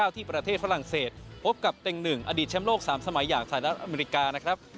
ที่ประเทศฝรั่งเศสพบกับเต็ง๑อดีตแชมป์โลก๓สมัยอย่างสหรัฐอเมริกานะครับ